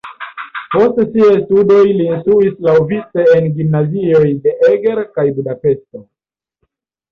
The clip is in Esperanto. Post siaj studoj li instruis laŭvice en gimnazioj de Eger kaj Budapeŝto.